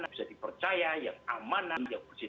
tidak bisa dipercaya yang amanah yang bersih